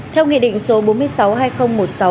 theo nghị định số bốn trăm sáu mươi hai nghìn một mươi sáu